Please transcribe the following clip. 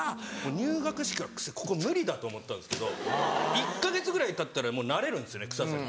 入学式から「臭ぇここ無理だ」と思ったんですけど１か月ぐらいたったらもう慣れるんですよね臭さに。